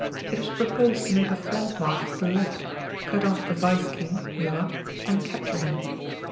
It was proposed to make a flank march to the left, cut off the Vice King (Murat) and capture him.